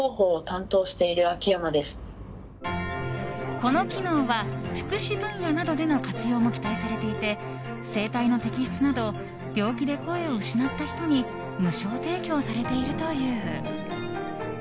この機能は福祉分野などでの活用も期待されていて声帯の摘出など病気で声を失った人に無償提供されているという。